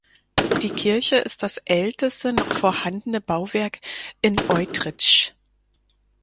Die Kirche ist das älteste noch vorhandene Bauwerk in Eutritzsch.